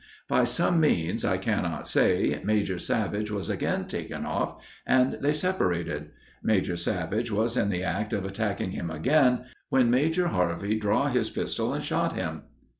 By some means I cannot say, Major Savage was again taken off, and they separated. Major Savage was in the act of attacking him again, when Major Harvey draw his pistol and shot him."